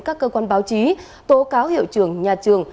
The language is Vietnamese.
các cơ quan báo chí tố cáo hiệu trưởng nhà trường